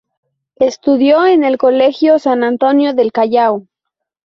Estudió en el Colegio San Antonio del Callao.